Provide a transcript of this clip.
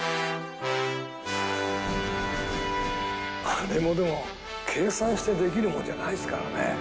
あれもでも計算してできるものじゃないですからね。